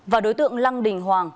và đối tượng lăng đình hoàng